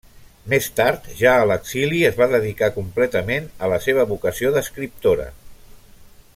Més tard ja a l'exili es va dedicar completament a la seva vocació d'escriptora.